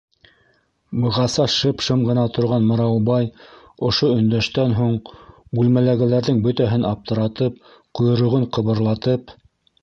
Бығаса шып-шым ғына торған Мыраубай ошо өндәштән һуң, бүлмәләгеләрҙең бөтәһен аптыратып, ҡойроғон ҡыбырлатып: